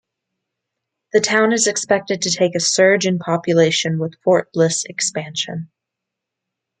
The town is expected to take a surge in population with Fort Bliss expansion.